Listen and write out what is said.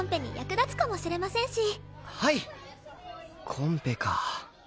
コンペか